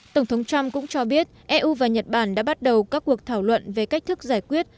tổng thống trump cũng cho biết eu và nhật bản đã bắt đầu các cuộc thảo luận về cách thức giải quyết